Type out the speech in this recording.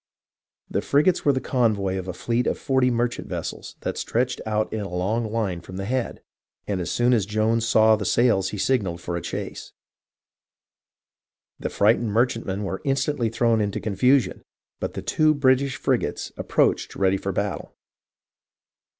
The frigates were the convoy of a fleet of 40 merchant vessels that stretched out in a long line from the Head, and as soon as Jones saw the sails he signalled for a chase. The frightened merchantmen were instantly thrown into con fusion, but the two British frigates approached ready for battle.